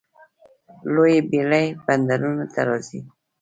لویې بیړۍ بندرونو ته راځي.